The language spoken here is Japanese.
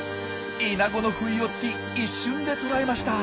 イナゴの不意をつき一瞬で捕らえました。